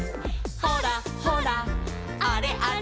「ほらほらあれあれ」